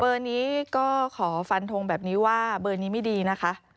เบอร์นี้ก็ขอฟันทงแบบนี้ว่าเบอร์นี้ไม่ดีนะคะ